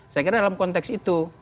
saya kira dalam konteks itu